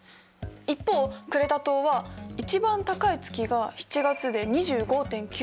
一方クレタ島は一番高い月が７月で２５．９度。